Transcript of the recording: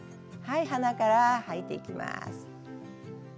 鼻から吐いていきます。